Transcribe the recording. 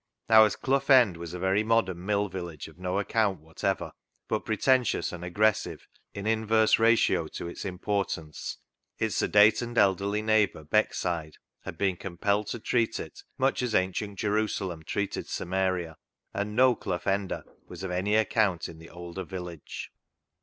Now, as Clough End was a very modern mill village of no account whatever, but pretentious and aggressive in inverse ratio to its import ance, its sedate and elderly neighbour. Beck side, had been compelled to treat it much as 163 i64 CLOG SHOP CHRONICLES ancient Jerusalem treated Samaria, and no Clough Ender was of any account in the older village.